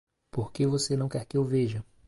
Por que você não quer que eu o veja?